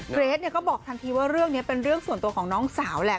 เกรทก็บอกทันทีว่าเรื่องนี้เป็นเรื่องส่วนตัวของน้องสาวแหละ